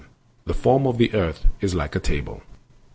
The form of the earth is like a table.